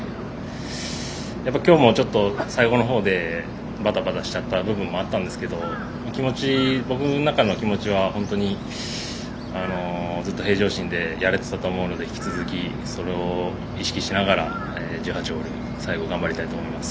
今日も最後の方でバタバタしちゃった部分もあるんですけど僕の中の気持ちはずっと平常心でやれていたと思うので引き続き、それを意識しながら１８ホール、最後頑張りたいと思います。